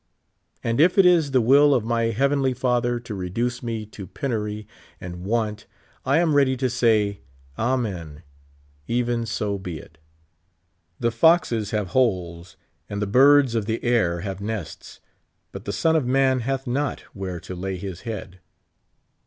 And if it is the will of m}^ HeavenW Father to reduce me to penurj^ and want, I am ready to say : Amen ; even so be it. " The foxes have holes, and the birds of the air have nests, but the Son of man hath not where to lay his head."